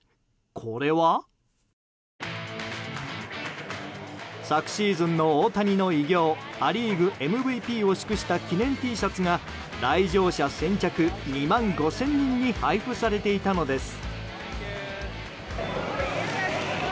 これは。昨シーズンの大谷の偉業ア・リーグＭＶＰを祝した記念Ｔシャツが来場者先着２万５０００人に配布されていたのです。